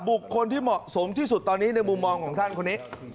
บุคคลที่เหมาะสมที่สุดตอนนี้ในมุมมองของท่านคนนี้